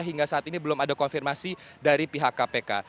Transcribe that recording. hingga saat ini belum ada konfirmasi dari pihak kpk